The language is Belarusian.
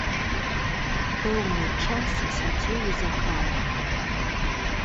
Пэўны час сядзеў за кратамі.